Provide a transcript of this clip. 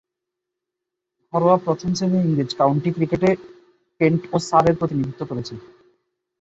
ঘরোয়া প্রথম-শ্রেণীর ইংরেজ কাউন্টি ক্রিকেটে কেন্ট ও সারের প্রতিনিধিত্ব করেছেন।